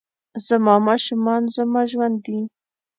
زما ماشومان زما ژوند دي